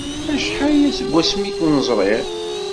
Acḥal aya seg wasmi ur ken-ẓriɣ.